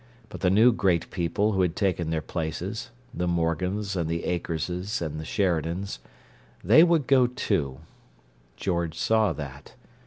But the new great people who had taken their places—the Morgans and Akerses and Sheridans—they would go, too. George saw that.